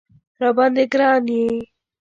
راباندې ګران یې